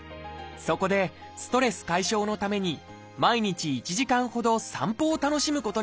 そこでストレス解消のために毎日１時間ほど散歩を楽しむことにしました。